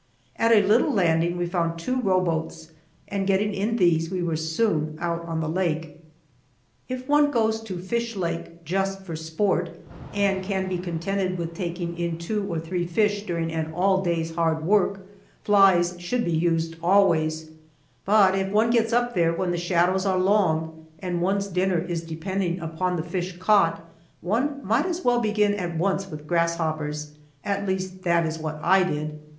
At a little landing we found two row boats, and getting in these we were soon out on the lake. If one goes to Fish Lake just for sport, and can be contented with taking in two or three fish during an all day's hard work, flies should be used always, but if one gets up there when the shadows are long and one's dinner is depending upon the fish caught, one might as well begin at once with grasshoppers at least, that is what I did.